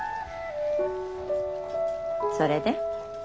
それで？